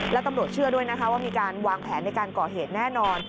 แล้วตำรวจเชื่อด้วยนะคะว่ามีการวางแผนในการก่อเหตุแน่นอน